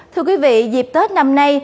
thưa quý vị dịp tết năm nay